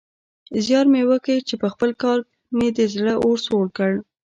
زيار مې وکيښ چې پخپل کار مې د زړه اور سوړ کړ.